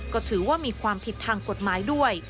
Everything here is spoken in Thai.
ก็ถือว่ามีความผิดทางกฎหมายด้วย